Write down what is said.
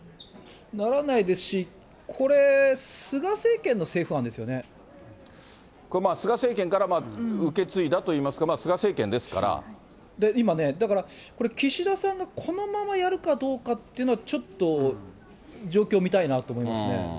ならないですし、これ、これ、菅政権から受け継いだといいますか、今ね、だから、これ岸田さんがこのままやるかどうかっていうのはちょっと状況見たいなと思いますね。